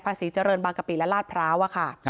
ภาษีเจริญบางกะปิและลาดพร้าว